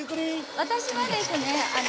私はですねあの。